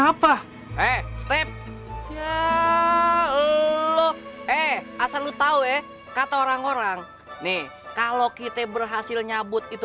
apa eh step ya lo eh asal lutawe kata orang orang nih kalau kita berhasil nyabut itu